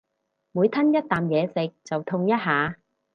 每吞一啖嘢食就痛一下